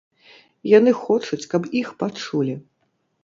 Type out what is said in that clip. Яны хочуць, каб іх пачулі.